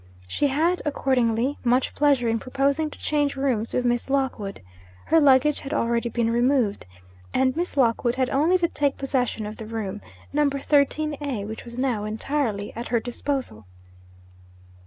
She had accordingly much pleasure in proposing to change rooms with Miss Lockwood. Her luggage had already been removed, and Miss Lockwood had only to take possession of the room (Number 13 A), which was now entirely at her disposal.